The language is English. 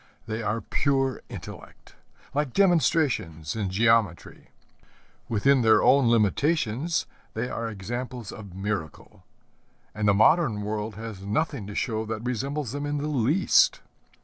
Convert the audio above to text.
They are pure intellect, like demonstrations in geometry. Within their own limitations they are examples of miracle; and the modern world has nothing to show that resembles them in the least.